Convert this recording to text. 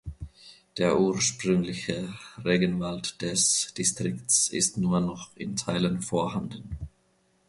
Der ursprüngliche Regenwald des Distrikts ist nur noch in Teilen vorhanden.